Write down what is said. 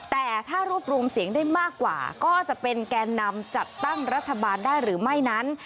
แต่ถ้ารวบรวมเสียงได้มากกว่าก็จะเป็นแกนนำจัดตั้งรัฐบาลได้หรือไม่นั้น